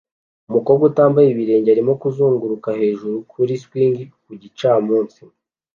Umukobwa utambaye ibirenge arimo kuzunguruka hejuru kuri swing ku gicamunsi